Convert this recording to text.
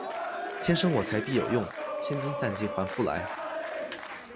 天生我材必有用，千金散尽还复来